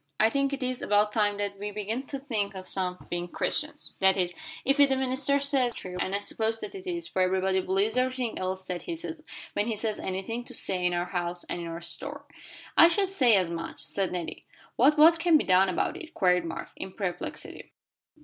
"I think it is about time that we began to think some of being Christians that is, if what the minister says is true, and I suppose that it is, for everybody believes everything else that he says, when he has anything to say in our house and in the store." "I should say as much," said Nettie. "But what can be done about it?" queried Mark, in perplexity.